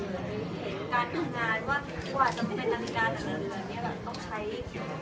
การทำงานว่ากว่าจะเป็นนาฬิกานนักเรียน